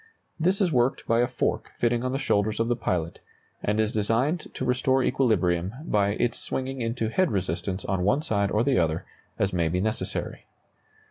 This is worked by a fork fitting on the shoulders of the pilot, and is designed to restore equilibrium by its swinging into head resistance on one side or the other as may be necessary.